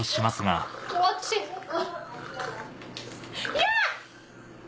いや！